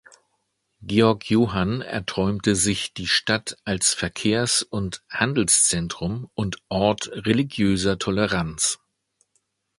Georg Johann erträumte sich die Stadt als Verkehrs- und Handelszentrum und Ort religiöser Toleranz.